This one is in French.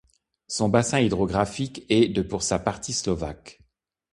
Son bassin hydrographique est de pour sa partie slovaque.